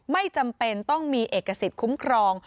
ไม่จำเป็นต้องมีเอกสิทธิ์คุ้มครอง